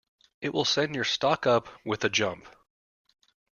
It will send your stock up with a jump.